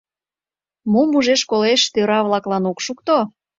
— Мом ужеш-колеш — тӧра-влаклан ок шукто?